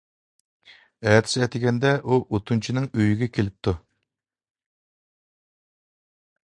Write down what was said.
ئەتىسى ئەتىگەندە، ئۇ ئوتۇنچىنىڭ ئۆيىگە كېلىپتۇ.